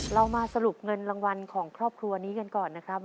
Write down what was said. เรามาสรุปเงินรางวัลของครอบครัวนี้กันก่อนนะครับ